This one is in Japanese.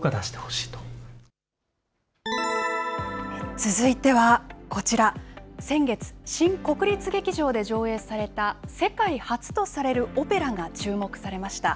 続いてはこちら、先月、新国立劇場で上演された世界初とされるオペラが注目されました。